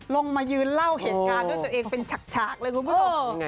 ลงมายืนเล่าเหตุการณ์ด้วยตัวเองเป็นฉากเลยคุณผู้ชม